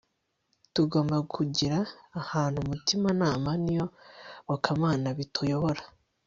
Tugomba kugira ahantu umutimanama niyobokamana bituyobora